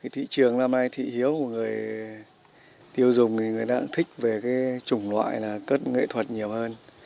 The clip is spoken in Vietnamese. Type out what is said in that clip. thị trường năm nay thị hiếu của người tiêu dùng thì người ta thích về cái chủng loại là nghệ thuật nhiều hơn